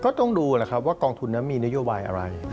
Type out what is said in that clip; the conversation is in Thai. ต้องดูนะครับว่ากองทุนนั้นมีนโยบายอะไร